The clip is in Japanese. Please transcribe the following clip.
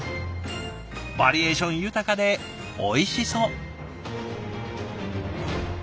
バリエーション豊かでおいしそう。